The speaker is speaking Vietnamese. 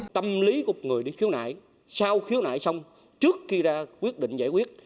tâm lý của người đi khiếu nại sao khiếu nại xong trước khi ra quyết định giải quyết